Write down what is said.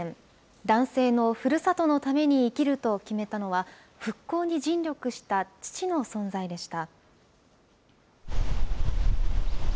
男性のふるさとのために生きると決めたのは、復興に尽力した父の存在でした。